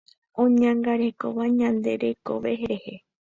Oñangarekóva ñande rekove rehe.